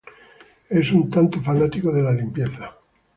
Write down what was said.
Es un "tanto" fanático de la limpieza.